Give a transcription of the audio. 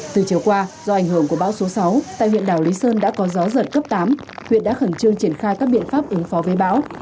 từ chiều qua do ảnh hưởng của bão số sáu tại huyện đảo lý sơn đã có gió giật cấp tám huyện đã khẩn trương triển khai các biện pháp ứng phó với bão